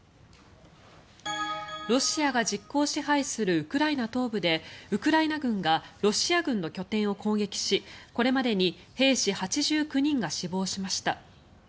ロシアが実効支配するウクライナ東部でウクライナ軍がロシア軍の拠点を攻撃しこれまでに兵士８９人が死亡しました。